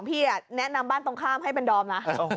บ้านเก่าดอม